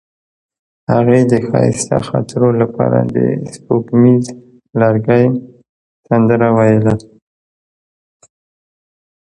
هغې د ښایسته خاطرو لپاره د سپوږمیز لرګی سندره ویله.